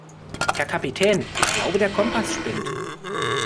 Herr Kapitän, ich glaube, der Kompass spinnt.